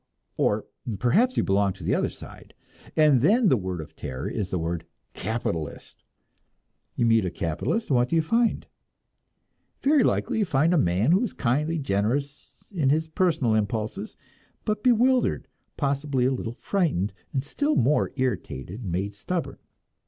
Or perhaps you belong to the other side, and then your word of terror is the word "Capitalist." You meet a Capitalist, and what do you find? Very likely you find a man who is kindly, generous in his personal impulses, but bewildered, possibly a little frightened, still more irritated and made stubborn.